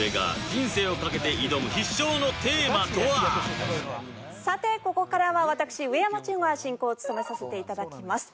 井上がさてここからは私上山千穂が進行を務めさせていただきます。